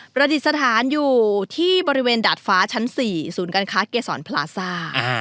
ประดิษฐานอยู่ที่บริเวณดาดฟ้าชั้น๔ศูนย์การค้าเกษรพลาซ่า